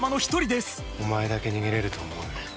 お前だけ逃げれると思うなよ。